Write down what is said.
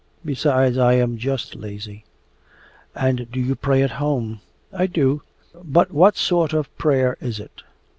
Besides, I am just lazy.' 'And do you pray at home?' 'I do. But what sort of prayer is it?